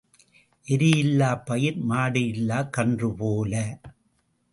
எரு இல்லாப் பயிர் மாடு இல்லாக் கன்று போல.